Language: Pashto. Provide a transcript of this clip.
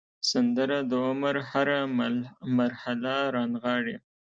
سندره د عمر هره مرحله رانغاړي